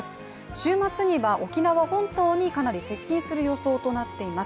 週末には沖縄本島にかなり接近する予想となっています。